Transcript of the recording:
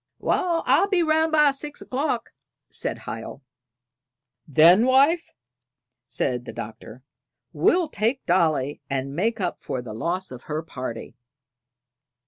"Wal, I'll be round by six o'clock," said Hiel. "Then, wife," said the Doctor, "we'll take Dolly, and make up for the loss of her party."